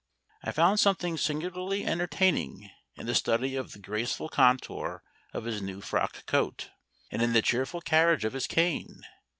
I found something singularly entertaining in the study of the graceful contour of his new frock coat, and in the cheerful carriage of his cane.